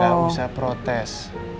gak usah protes